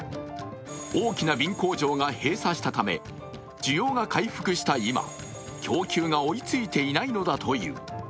大きな瓶工場が閉鎖したため需要が回復した今供給が追いついていないのだという。